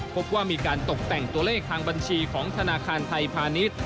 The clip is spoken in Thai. พบว่ามีการตกแต่งตัวเลขทางบัญชีของธนาคารไทยพาณิชย์